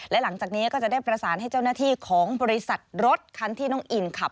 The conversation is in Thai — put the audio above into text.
และหลังจากนี้ก็จะได้ประสานให้เจ้าหน้าที่ของบริษัทรถคันที่น้องอินขับ